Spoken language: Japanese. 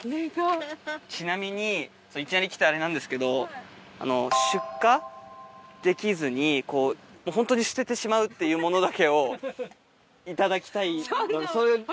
ちなみにいきなり来てあれなんですけど出荷できずにもうホントに捨ててしまうっていうものだけを頂きたい。